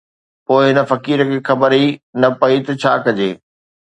پوءِ هن فقير کي خبر ئي نه پئي ته ڇا ڪجي